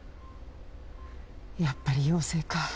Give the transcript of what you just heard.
やっぱり陽性か。